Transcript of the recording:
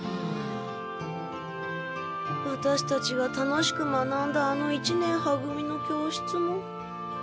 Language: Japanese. ワタシたちが楽しく学んだあの一年は組の教室も。